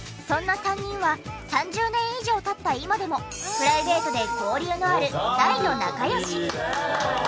そんな３人は３０年以上経った今でもプライベートで交流のある大の仲良し。